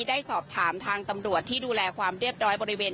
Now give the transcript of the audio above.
ได้สอบถามทางตำรวจที่ดูแลความเรียบร้อยบริเวณ